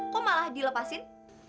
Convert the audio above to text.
kok malah dilepasin